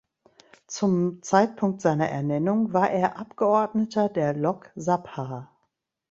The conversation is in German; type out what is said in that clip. Zum Zeitpunkt seiner Ernennung war er Abgeordneter der Lok Sabha.